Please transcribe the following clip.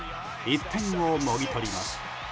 １点をもぎ取ります。